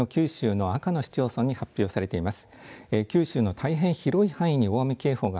こちらはご覧の九州の赤の市町村に発表されています。